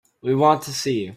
We want to see you.